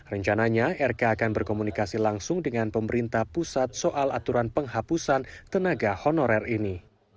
rencananya rk akan berkomunikasi langsung dengan pemerintah pusat soal aturan penghapusan tenaga honorer ini